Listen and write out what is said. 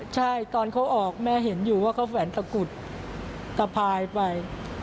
ใช่ตอนเขาออกแม่เห็นอยู่ว่าเขาแฝนตะกุดตะพายไป